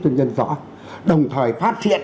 cho nhân dân rõ đồng thời phát triển